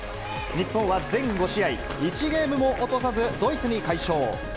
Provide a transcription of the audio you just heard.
日本は全５試合、１ゲームも落とさず、ドイツに快勝。